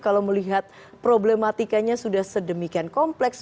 kalau melihat problematikanya sudah sedemikian kompleks